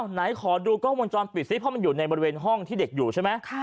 ไหนขอดูกล้องวงจรปิดซิเพราะมันอยู่ในบริเวณห้องที่เด็กอยู่ใช่ไหม